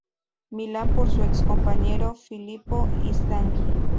Milan por su ex compañero Filippo Inzaghi.